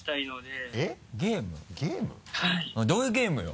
どういうゲームよ。